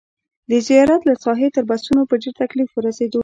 د زیارت له ساحې تر بسونو په ډېر تکلیف ورسېدو.